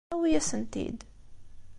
Awi-asen-t-id.